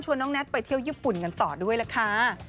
น้องแท็กไปเที่ยวญี่ปุ่นกันต่อด้วยล่ะค่ะ